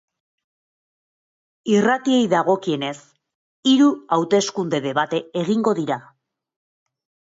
Irratiei dagokienez, hiru hauteskunde-debate egingo dira.